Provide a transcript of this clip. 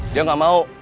dia gak mau